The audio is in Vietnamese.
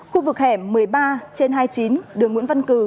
khu vực hẻm một mươi ba trên hai mươi chín đường nguyễn văn cử